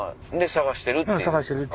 探してるっていう。